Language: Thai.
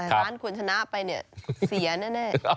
ร้านคุณชนะไปเนี่ยเสียแน่